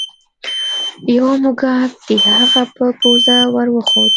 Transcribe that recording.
یو موږک د هغه په پوزه ور وخوت.